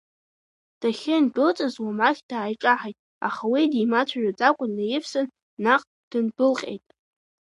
Дахьындәылҵыз Уамахь дааиҿаҳаит, аха уи димацәажәаӡакәа днаивсын, наҟ дындәылҟьеит.